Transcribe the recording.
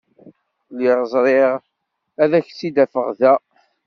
Lliɣ ẓriɣ ad k-id-afeɣ da.